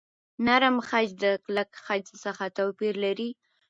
نرم خج د کلک خج څخه توپیر لري.